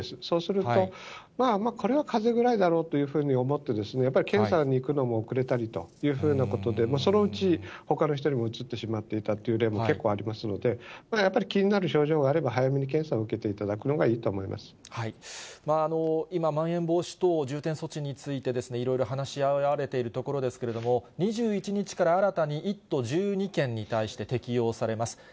そうすると、まあまあ、これはかぜぐらいだろうというふうに思って、やっぱり検査に行くのも遅れたりというふうなことで、そのうちほかの人にもうつってしまっていたという例も結構ありますので、やっぱり気になる症状があれば、早めに検査を受けていただくのが今、まん延防止等重点措置について、いろいろ話し合われているところですけれども、２１日から新たに１都１２県に対して適用されます。